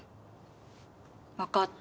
分かった。